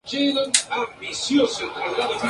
El resto se compone de grandes vacíos entre las galaxias.